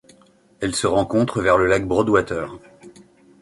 Elle se rencontre vers le lac Broadwater.